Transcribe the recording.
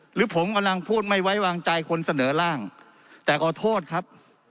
หรือผมกำลังพูดไม่ไว้วางใจคนเสนอร่างแต่ขอโทษครับ